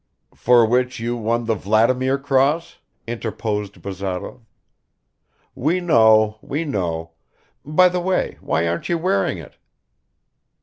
"For which you won the Vladimir cross?" interposed Bazarov. "We know we know ... By the way, why aren't you wearing it?"